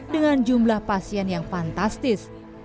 dengan jumlah pasien yang fantastis